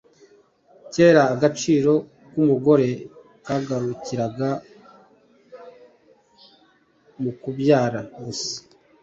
Kera agaciro k’umugore kagarukiraga mu kubyara gusa.